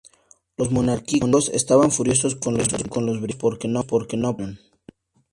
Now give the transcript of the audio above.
Los monárquicos estaban furiosos con los británicos porque no aparecieron.